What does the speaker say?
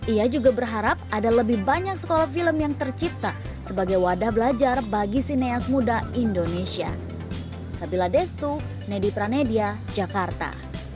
ia juga berharap ada lebih banyak sekolah film yang tercipta sebagai wadah belajar bagi sineas muda indonesia